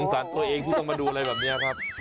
สารตัวเองที่ต้องมาดูอะไรแบบนี้ครับ